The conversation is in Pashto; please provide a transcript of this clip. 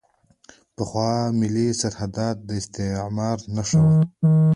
پخوا ملي سرحدات د استعمار نښه وو.